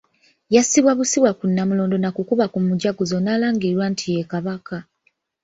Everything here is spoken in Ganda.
Yassibwa bussibwa ku Nnamulondo na kukuba ku Mujaguzo n'alangirirwa nti ye Kabaka.